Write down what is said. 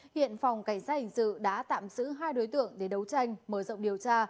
hiện phòng cảnh sát hình sự đã tạm giữ hai đối tượng để đấu tranh mở rộng điều tra